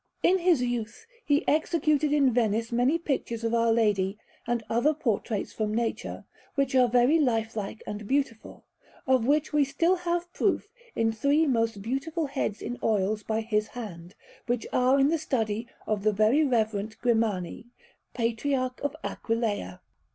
Canvas_)] In his youth he executed in Venice many pictures of Our Lady and other portraits from nature, which are very lifelike and beautiful; of which we still have proof in three most beautiful heads in oils by his hand, which are in the study of the Very Reverend Grimani, Patriarch of Aquileia.